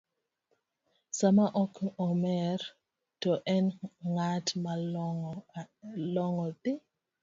Sama ok omer to en ng’at malong’o ndi